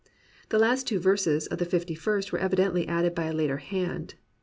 The last two verses of the Fifty first were evidently added by a later hand.